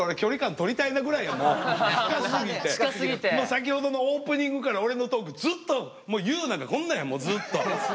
先ほどのオープニングから俺のトークずっと裕なんかこんなんやずっと。